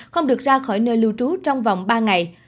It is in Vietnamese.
không được ra khỏi nơi lưu trú trong vòng ba ngày